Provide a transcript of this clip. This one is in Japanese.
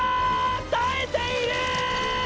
耐えているーー！